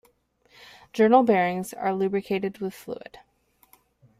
Journal bearings are lubricated with fluid.